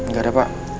gak ada pak